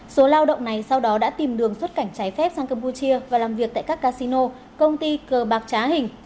số lao động này sau đó đã tìm đường xuất cảnh trái phép sang campuchia và làm việc tại các casino công ty cờ bạc trá hình